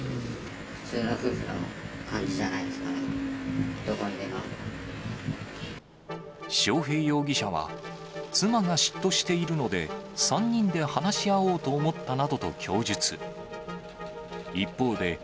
普通の夫婦の感じじゃないで章平容疑者は、妻が嫉妬しているので、３人で話し合おうと思ったなどと供述。